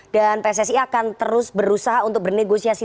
dan pssi akan terus berusaha untuk bernegosiasi